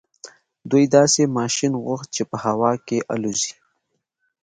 دوی داسې ماشين غوښت چې په هوا کې الوځي.